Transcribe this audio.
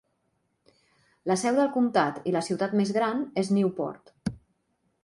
La seu del comtat i la ciutat més gran és Newport.